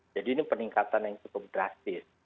jadi ini peningkatan yang cukup drastis